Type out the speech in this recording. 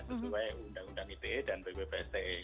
sesuai undang undang ide dan bsde